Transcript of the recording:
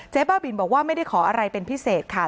บ้าบินบอกว่าไม่ได้ขออะไรเป็นพิเศษค่ะ